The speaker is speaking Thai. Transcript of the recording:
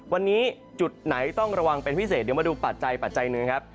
วันนี้จุดไหนต้องระวังเป็นพิเศษเดี๋ยวมาดูปัจจัยปัจจัยหนึ่งครับ